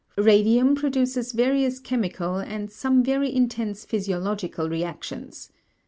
Radium produces various chemical and some very intense physiological reactions.